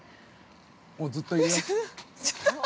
◆もう、ずっといるよ。